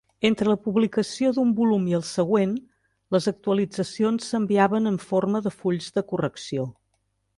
Entre la publicació d'un volum i el següent, les actualitzacions s'enviaven en forma de fulls de correcció.